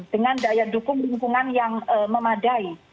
dengan daya dukung lingkungan yang memadai